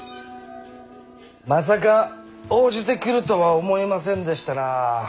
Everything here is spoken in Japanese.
まさか応じてくるとは思いませんでしたな。